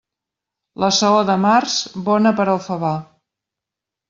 La saó de març, bona per al favar.